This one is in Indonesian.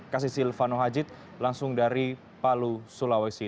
kasih silvano hajid langsung dari palu sulawesi